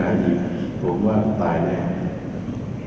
อย่าให้มีปัญหาไปกับศาสนาเพื่อ